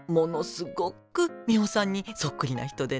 すごっくミホさんにそっくりな人でね。